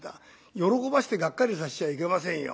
喜ばしてがっかりさしちゃいけませんよ。